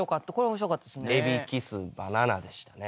海老キスバナナでしたね。